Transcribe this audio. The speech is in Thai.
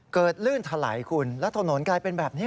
ลื่นถลายคุณแล้วถนนกลายเป็นแบบนี้